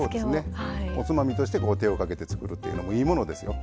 おつまみとして手をかけてつくるというのもいいものですよ。